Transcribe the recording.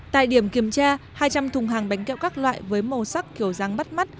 tại điểm kiểm tra hai trăm linh thùng hàng bánh kẹo các loại với màu sắc kiểu dáng bắt mắt